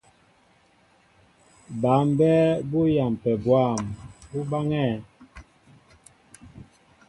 Bǎ mbɛ́ɛ́ bú yampɛ bwâm, ú báŋɛ́ɛ̄.